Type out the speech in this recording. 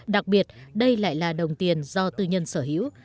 đặc biệt đây lại là đồng tiền do tư nhân sở hữu